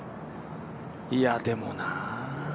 いや、でもな。